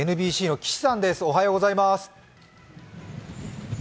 ＮＢＣの岸さんです、おはようございます。